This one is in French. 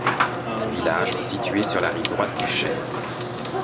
Village situé sur la rive droite du Cher.